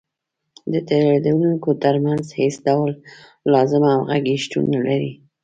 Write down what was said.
د تولیدونکو ترمنځ هېڅ ډول لازمه همغږي شتون نلري